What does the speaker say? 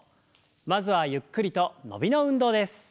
まずはゆっくりと伸びの運動です。